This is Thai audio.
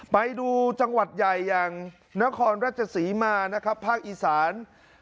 ไปดูจังหวัดใหญ่อย่างนครราชศรีมานะครับภาคอีสาน